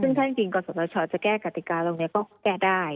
ซึ่งถ้าจริงกศชจะแก้กติกาตรงนี้ก็แก้ได้